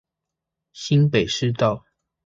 新北市道